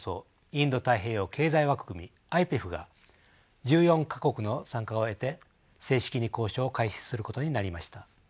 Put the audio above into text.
インド太平洋経済枠組みＩＰＥＦが１４か国の参加を得て正式に交渉を開始することになりました。